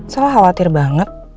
salah khawatir banget